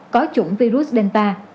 có chủng virus delta